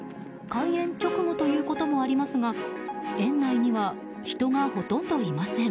開園直後ということもありますが園内には人がほとんどいません。